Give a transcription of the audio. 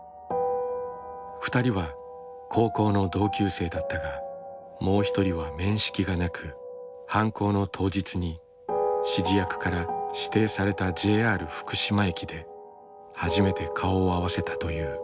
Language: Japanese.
２人は高校の同級生だったがもう一人は面識がなく犯行の当日に指示役から指定されたＪＲ福島駅で初めて顔を合わせたという。